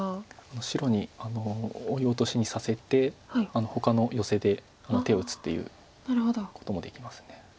白にオイオトシにさせてほかのヨセの手を打つっていうこともできます。